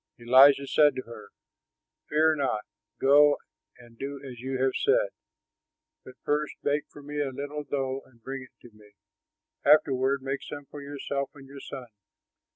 Elijah said to her, "Fear not; go and do as you have said, but first bake for me a little dough and bring it to me. Afterward make some for yourself and your son.